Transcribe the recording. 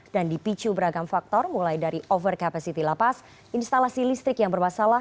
dan dipicu beragam faktor mulai dari overcapacity lapas instalasi listrik yang bermasalah